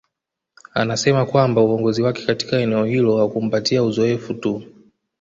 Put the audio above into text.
Anasema kwamba uongozi wake katika eneo hilo haukumpatia uzoefu tu